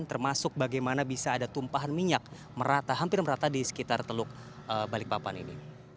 termasuk bagaimana bisa ada tumpahan minyak merata hampir merata di sekitar teluk balikpapan ini